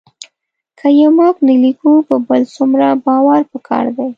که یې موږ نه لیکو په بل څومره باور پکار دی